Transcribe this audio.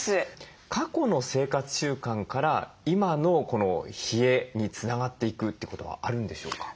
過去の生活習慣から今のこの冷えにつながっていくってことはあるんでしょうか？